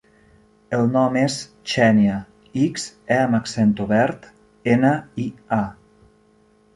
El nom és Xènia: ics, e amb accent obert, ena, i, a.